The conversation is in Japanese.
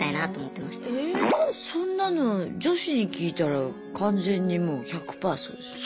えそんなの女子に聞いたら完全にもう１００パーそうですよ。